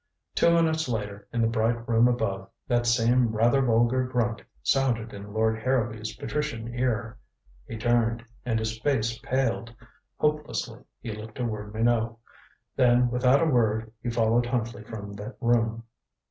Two minutes later, in the bright room above, that same rather vulgar grunt sounded in Lord Harrowby's patrician ear. He turned, and his face paled. Hopelessly he looked toward Minot. Then without a word he followed Huntley from the room.